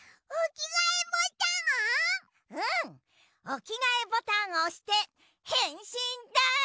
おきがえボタンをおしてへんしんだい！